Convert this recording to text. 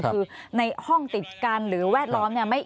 คือในห้องติดกันหรือแวดล้อมเนี่ย